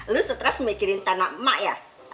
lu stres mikirin tanah emak ya